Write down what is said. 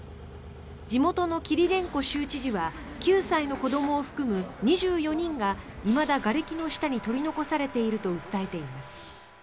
地元のキリレンコ州知事は９歳の子どもを含む２４人が、いまだがれきの下に取り残されていると訴えています。